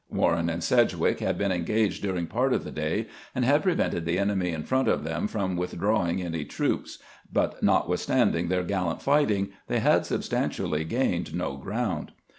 "Warren and Sedgwick had been engaged during part of the day, and had prevented the enemy in front of them from withdrawing any troops, but notwithstanding their gallant fighting they had substantially gained no ground.